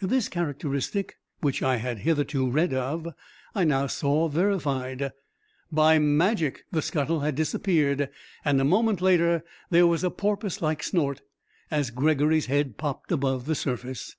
This characteristic, which I had hitherto read of, I now saw verified. By magic the scuttle had disappeared, and a moment later there was a porpoise like snort as Gregory's head popped above the surface.